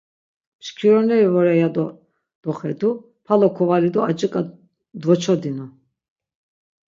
Mşkironeri vore ya do doxedu, palo kovali do aciǩa dvoçodinu.